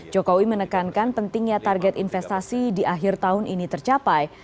jokowi menekankan pentingnya target investasi di akhir tahun ini tercapai